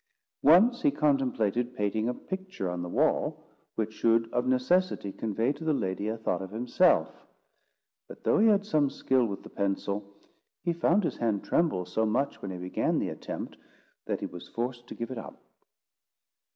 Once he contemplated painting a picture on the wall, which should, of necessity, convey to the lady a thought of himself; but, though he had some skill with the pencil, he found his hand tremble so much when he began the attempt, that he was forced to give it up.